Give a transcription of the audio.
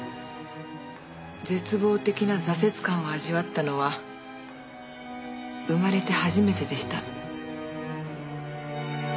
絶望的な挫折感を味わったのは生まれて初めてでした。